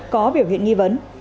có biểu hiện nghi vấn